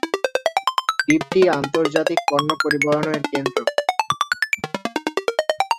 দ্বীপটি আন্তর্জাতিক পণ্য পরিবহনের কেন্দ্র।